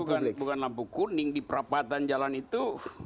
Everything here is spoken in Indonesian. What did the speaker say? sebelum itu kan bukan lampu kuning di perapatan jalan itu